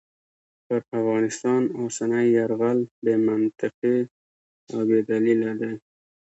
پر افغانستان اوسنی یرغل بې منطقې او بې دلیله دی.